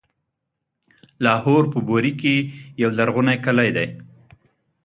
لاهور په بوري کې يو لرغونی کلی دی.